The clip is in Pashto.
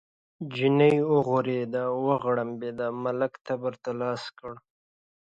چیني وغورېد، وغړمبېد، ملک تبر ته لاس کړ.